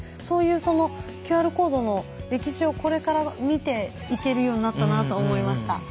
そういうＱＲコードの歴史をこれから見ていけるようになったなと思いました。